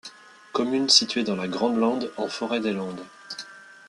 Commune située dans la Grande-Lande en forêt des Landes.